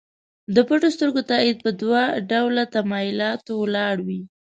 د پټو سترګو تایید په دوه ډوله تمایلاتو ولاړ وي.